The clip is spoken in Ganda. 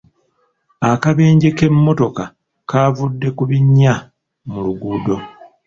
Akabenje k'emmotoka k'avudde ku binnya mu luguudo.